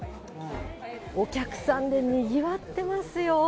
お客さんでにぎわってますよ。